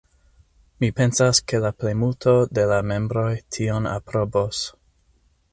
Mi pensas ke la plejmulto de la membroj tion aprobos.